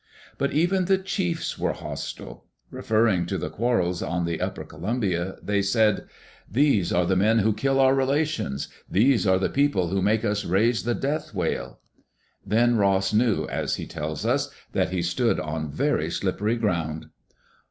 But even the chiefs were hostile. Referring to the quar rels on the upper Columbia, they said: "These are the men who kill our relations. These are the people who make us raise the death wail." Then Ross knew, as he tells us, that he "stood on very slippery ground."